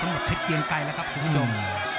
สำหรับเทศเกียงไก่แล้วครับคุณผู้ชม